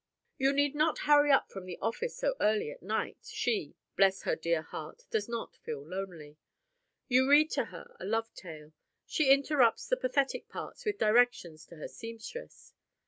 You need not hurry up from the office so early at night, she, bless her dear heart! does not feel lonely. You read to her a love tale: she interrupts the pathetic parts with directions to her seamstress.